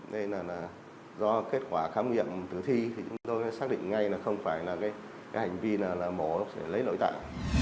nên là do kết quả khám nghiệm tử thi thì chúng tôi xác định ngay là không phải là cái hành vi là mổ sẽ lấy lỗi tại